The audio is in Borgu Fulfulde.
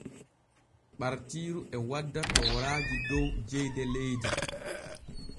Ɓartiiru e wadda tooraaji dow jeyde leydi.